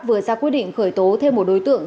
vừa ra quyết định khởi tố thêm một đối tượng